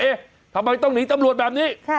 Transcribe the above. ทำไมต้องหนีตำรวจแบบนี้